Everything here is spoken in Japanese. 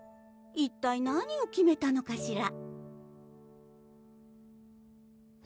一体何を決めたのかしら？